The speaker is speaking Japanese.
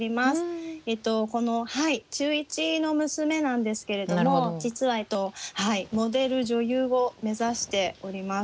この中１の娘なんですけれども実はモデル女優を目指しております。